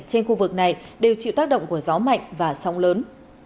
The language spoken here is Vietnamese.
trên khu vực này đều chịu tác động của gió mạnh và sóng lớn